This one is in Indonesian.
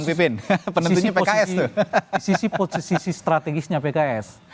posisi posisi strategisnya pks